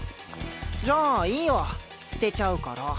じゃあいいわ捨てちゃうから。